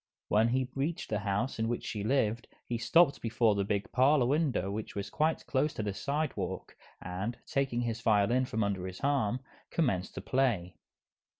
When he reached the house in which she lived, he stopped before the big parlor window which was quite close to the sidewalk, and, taking his violin from under his arm, commenced to play.